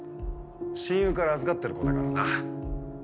親友から預かってる子だからな。